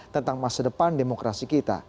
tentang masa depan demokrasi kita